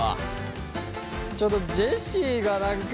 ちょっとジェシーが何か。